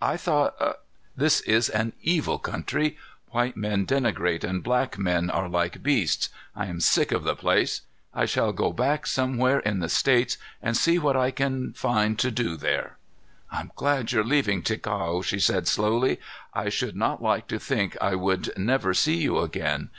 I thought " "This is an evil country. White men denigrate and black men are like beasts. I am sick of the place. I shall go back somewhere in the States and see what I can find to do there." "I'm glad you're leaving Ticao," she said slowly. "I should not like to think I would never see you again.